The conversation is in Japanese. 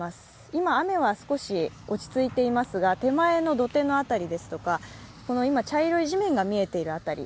今雨は少し落ち着いていますが、手前の土手の辺りですとか茶色い地面が見えている辺り